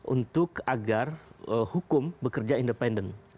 untuk agar hukum bekerja independen